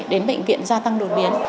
đến bệnh viện da tăng đột biến